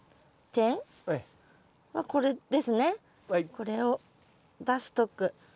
これを出しとく。